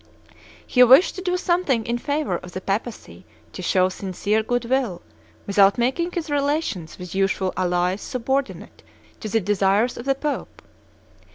He wished to do something in favor of the Papacy to show sincere good will, without making his relations with useful allies subordinate to the desires of the Pope.